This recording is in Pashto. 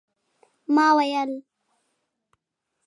ما ویل